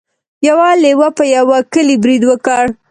یو لیوه په یوه کلي برید وکړ.